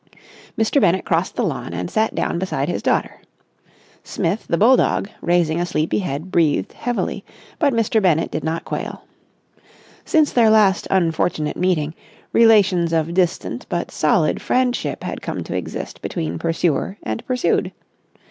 Mr. Bennett crossed the lawn, and sat down beside his daughter. Smith, the bulldog, raising a sleepy head, breathed heavily; but Mr. Bennett did not quail. Since their last unfortunate meeting, relations of distant, but solid, friendship had come to exist between pursuer and pursued.